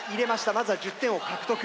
まずは１０点を獲得。